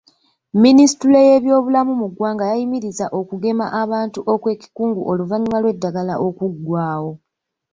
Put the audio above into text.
Minisitule y’ebyobulamu mu ggwanga yayimiriza okugema abantu okwekikungo oluvannyuma lw’eddagala okuggwaawo.